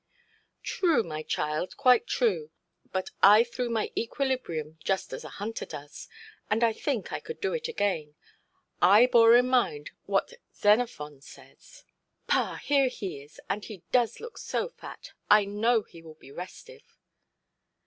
"True, my child, quite true. But I threw my equilibrium just as a hunter does. And I think I could do it again. I bore in mind what Xenophon says——" "Pa, here he is! And he does look so fat, I know he will be restive".